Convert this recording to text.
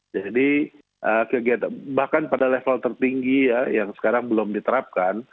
jadi bahkan pada level tertinggi ya yang sekarang belum diterapkan